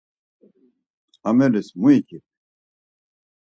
Ameris mu ikip?